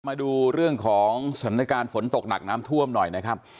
มาดูเรื่องของสถานการณ์ฝนตกหนักน้ำท่วมหน่อยนะครับ